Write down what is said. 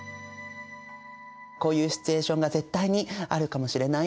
こういうシチュエーションが絶対にあるかもしれないよね。